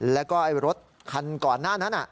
แล้วก็รถคันก่อนหน้านั้น